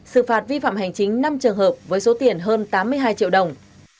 sự phạt vi phạm hành chính năm trường hợp với số tiền hơn tám mươi hai triệu đồng